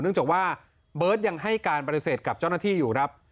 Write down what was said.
จากว่าเบิร์ตยังให้การปฏิเสธกับเจ้าหน้าที่อยู่ครับ